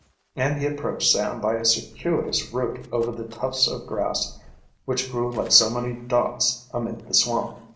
And he approached Sam by a circuitous route over the tufts of grass which grew like so many dots amid the swamp.